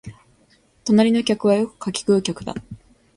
隣の客はよく柿喰う客だ